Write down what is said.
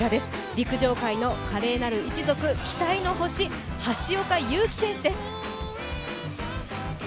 陸上界の華麗なる一族、期待の星・橋岡優輝選手です。